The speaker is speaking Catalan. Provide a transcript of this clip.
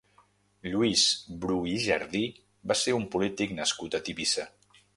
Lluís Bru i Jardí va ser un polític nascut a Tivissa.